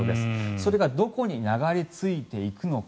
それがどこに流れ着いていくのか。